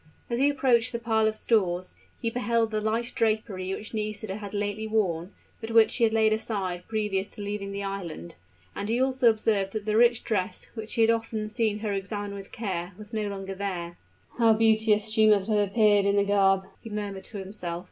As he approached the pile of stores, he beheld the light drapery which Nisida had lately worn, but which she had laid aside previous to leaving the island; and he also observed that the rich dress, which he had often seen her examine with care, was no longer there. "How beautiful she must have appeared in the garb!" he murmured to himself.